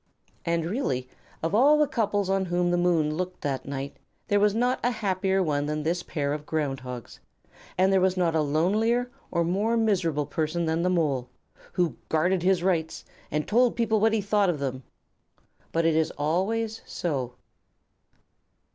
And really, of all the couples on whom the moon looked that night, there was not a happier one than this pair of Ground Hogs; and there was not a lonelier or more miserable person than the Mole, who guarded his own rights and told people what he thought of them. But it is always so.